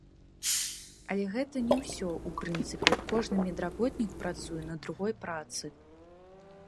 Але гэта не ўсё, у прынцыпе, кожны медработнік працуе на другой працы.